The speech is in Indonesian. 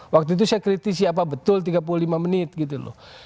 waktu itu saya kritisi apa betul tiga puluh lima menit gitu loh